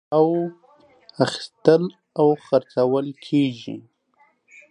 او خرڅېږي او اخيستل کېږي.